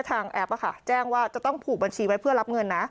แอปแจ้งว่าจะต้องผูกบัญชีไว้เพื่อรับเงินนะ